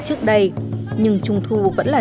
trước đây nhưng trung thu vẫn là